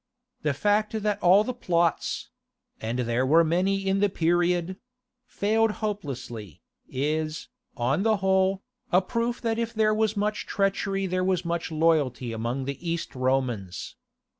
The fact that all the plots—and there were many in the period—failed hopelessly, is, on the whole, a proof that if there was much treachery there was much loyalty among the East Romans.